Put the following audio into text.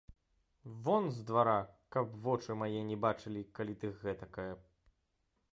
Вон з двара, каб вочы мае не бачылі, калі ты гэтакая!